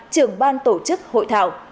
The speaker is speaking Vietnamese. trưởng ban tổ chức hội thảo